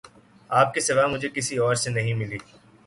آپ کے سوا مجھے کسی اور سے نہیں ملی